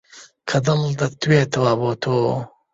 کە دڵ دەتوێتەوە بۆ تۆ